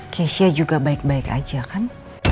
keisha juga baik baik aja kan